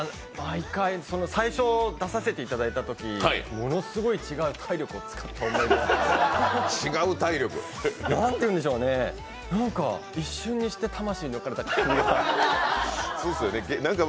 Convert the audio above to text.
最初出させていただいたとき、ものすごい違う体力を使った覚えが。なんていうんでしょうね、なんか一瞬にして魂抜かれたというか。